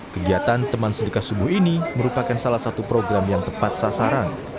kegiatan teman sedekah subuh ini merupakan salah satu program yang tepat sasaran